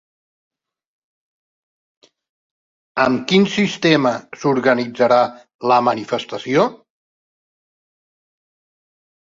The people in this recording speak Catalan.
Amb quin sistema s'organitzarà la manifestació?